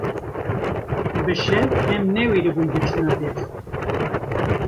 bi şev em newêribûn biçûna der